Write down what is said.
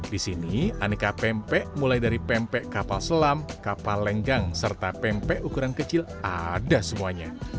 di sini aneka pempek mulai dari pempek kapal selam kapal lenggang serta pempek ukuran kecil ada semuanya